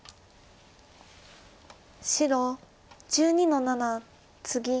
白１２の七ツギ。